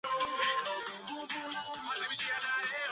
ფურიეს სახელს ატარებს მათემატიკის მრავალი თეორემა და ცნება.